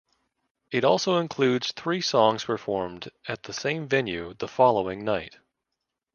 It also includes three songs performed at the same venue the following night.